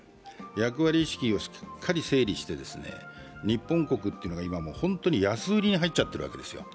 役割意識をしっかり整理して日本国が本当に安売りに入っちゃっているわけですよ。